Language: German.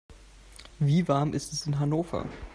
Wie warm ist es in Hannover?